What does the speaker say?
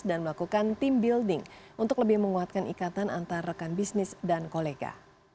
dan melakukan team building untuk lebih menguatkan ikatan antara rekan bisnis dan kolega